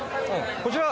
こちら？